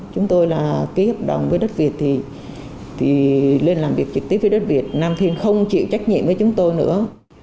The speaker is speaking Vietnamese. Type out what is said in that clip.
chúng tôi là ký hợp đồng với đất việt thì lên làm việc trực tiếp với đất việt nam thiên không chịu trách nhiệm với chúng tôi nữa